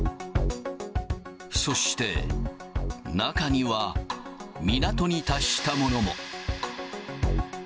そして、中には、港に達したものも。